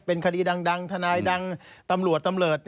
เป็นคดีดังทนายดังตำรวจตำรวจ